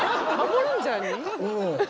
うん。